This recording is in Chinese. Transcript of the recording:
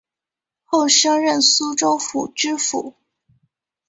后升任苏州府知府